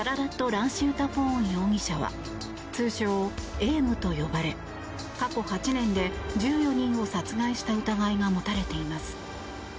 ランシウタポーン容疑者は通称エームと呼ばれ過去８年で１４人を殺害した疑いが持たれています。